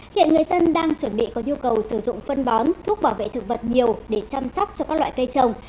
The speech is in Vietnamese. hiện người dân đang chuẩn bị có nhu cầu sử dụng phân bón thuốc bảo vệ thực vật nhiều để chăm sóc cho các loại cây trồng